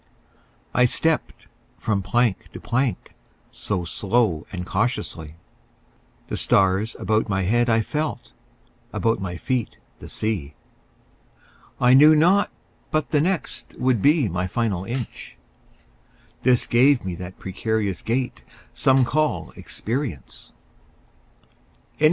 I stepped from plank to plank So slow and cautiously; The stars about my head I felt, About my feet the sea. I knew not but the next Would be my final inch, This gave me that precarious gait Some call experience. LIV.